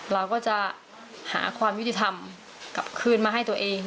เราก็จะหาความยุติธรรมกลับคืนมาให้ตัวเอง